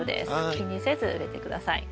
気にせず植えて下さい。